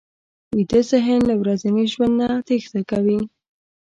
ویده ذهن له ورځني ژوند نه تېښته کوي